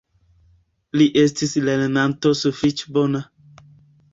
Li estis lernanto sufiĉe bona.